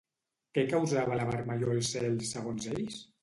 Què causava la vermellor al cel, segons ells?